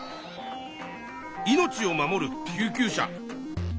命を守る救急車。